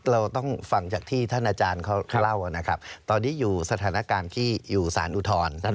เราต้องฟังจากที่ท่านอาจารย์เขาเล่านะครับตอนนี้อยู่สถานการณ์ที่อยู่สารอุทธรณ์